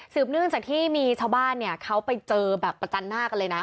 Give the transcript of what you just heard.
เนื่องจากที่มีชาวบ้านเนี่ยเขาไปเจอแบบประจันหน้ากันเลยนะ